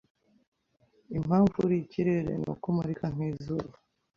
Impamvu uri ikirere ni uko umurika nk’izuba